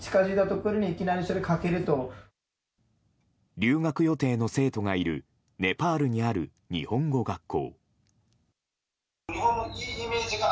留学予定の生徒がいるネパールにある日本語学校。